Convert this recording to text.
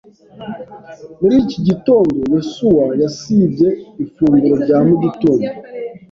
Muri iki gitondo, Yesuwa yasibye ifunguro rya mu gitondo.